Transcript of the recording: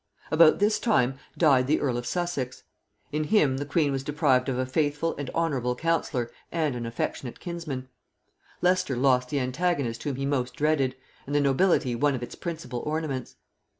About this time died the earl of Sussex. In him the queen was deprived of a faithful and honorable counsellor and an affectionate kinsman; Leicester lost the antagonist whom he most dreaded, and the nobility one of its principal ornaments.